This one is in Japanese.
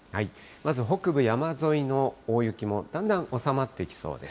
まず北部山沿いの大雪もだんだん収まってきそうです。